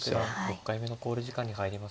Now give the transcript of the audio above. ６回目の考慮時間に入りました。